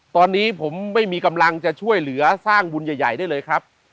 ตอนนี้ผมไม่มีกำลังจะช่วยเหลือสร้างบุญใหญ่ได้เลยครับ